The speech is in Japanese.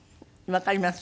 わかります。